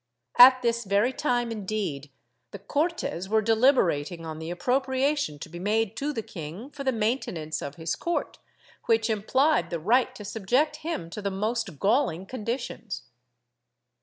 At this very time, indeed, the Cortes were deliberating on the appropria tion to be made to the king for the maintenance of his court, which implied the right to subject him to the most galling conditions.